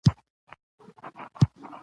مېز د مجلس منځ ته ایښودل کېږي.